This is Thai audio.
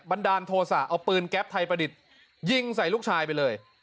ดาลโทษะเอาปืนแก๊ปไทยประดิษฐ์ยิงใส่ลูกชายไปเลย